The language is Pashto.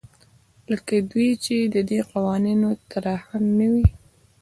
لکه دوی چې د دې قوانینو طراحان وي.